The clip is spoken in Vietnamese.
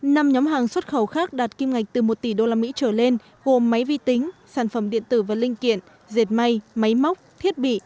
năm nhóm hàng xuất khẩu khác đạt kim ngạch từ một tỷ usd trở lên gồm máy vi tính sản phẩm điện tử và linh kiện dệt may máy móc thiết bị